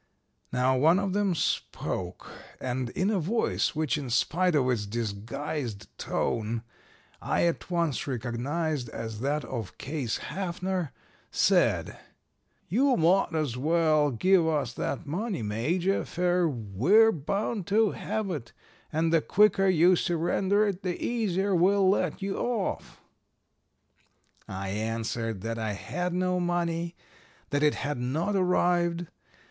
"Now one of them spoke, and in a voice which in spite of its disguised tone I at once recognized as that of Case Haffner said, 'You mought as well give us that money, Major, fer we're bound to have it, and the quicker you surrender it the easier we'll let you off.' "I answered that I had no money; that it had not arrived.